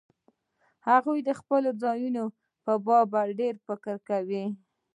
هغوی د خپل ځان په باب ډېر فکر کوي.